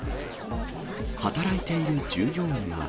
働いている従業員は。